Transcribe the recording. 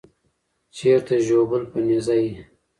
چیرته ژوبل په نېزه یې